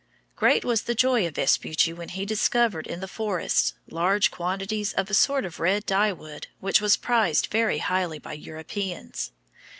Great was the joy of Vespucci when he discovered in the forests large quantities of a sort of red dyewood which was prized very highly by Europeans.